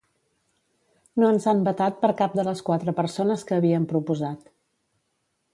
No ens han vetat per cap de les quatre persones que havíem proposat.